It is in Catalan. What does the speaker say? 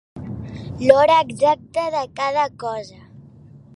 L'hora exacta de cada cosa.